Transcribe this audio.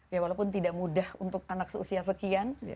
ya walaupun tidak mudah untuk anak seusia sekian